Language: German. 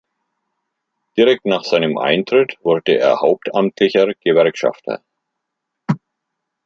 Direkt nach seinem Eintritt wurde er hauptamtlicher Gewerkschafter.